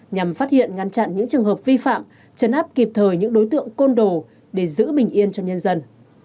nhằm phát hiện ngăn chặn những trường hợp vi phạm chấn áp kịp thời những đối tượng côn đồ để giữ bình yên cho nhân dân